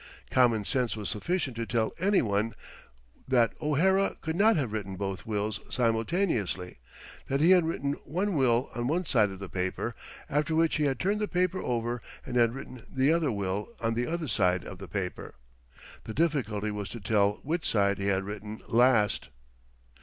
Common sense was sufficient to tell any one that O'Hara could not have written both wills simultaneously, that he had written one will on one side of the paper, after which he had turned the paper over and had written the other will on the other side of the paper. The difficulty was to tell which side he had written last.